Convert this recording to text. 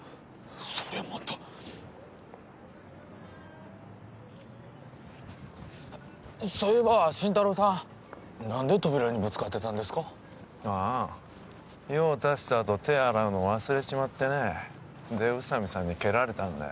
そりゃまたそういえば新太郎さん何で扉にぶつかってたんですかああ用を足したあと手洗うの忘れちまってねえで宇佐美さんに蹴られたんだよ